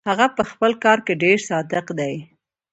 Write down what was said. هغه پهخپل کار کې ډېر صادق دی.